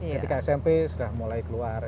ketika smp sudah mulai keluar